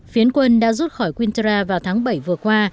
phiến quân đã rút khỏi qntra vào tháng bảy vừa qua